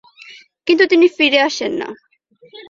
কিন্তু তিনি ফিরে আসেন না।